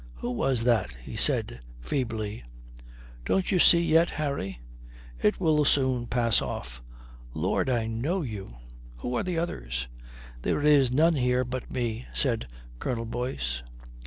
"Who was that?" he said feebly. "Don't you see yet, Harry? It will soon pass off." "Lord, I know you. Who are the others?" "There is none here but me," said Colonel Boyce.